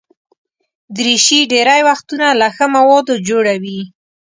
دریشي ډېری وختونه له ښه موادو جوړه وي.